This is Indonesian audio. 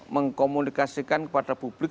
mengkomunikasikan kepada publik